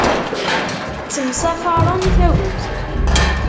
Ttemsafarren tagut.